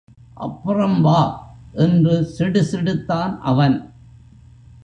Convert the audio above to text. அப்புறம் வா என்று சிடுசிடுத்தான் அவன்.